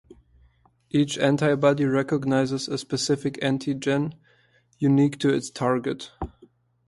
Each antibody recognizes a specific antigen unique to its target.